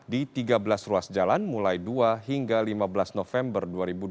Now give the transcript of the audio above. di tiga belas ruas jalan mulai dua hingga lima belas november dua ribu dua puluh